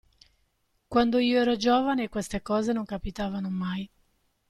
Quando io ero giovane queste cose non capitavano mai.